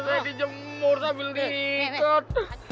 masalahnya dijemur sambil diikat